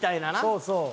そうそう。